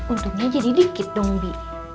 untungnya jadi dikit dong bi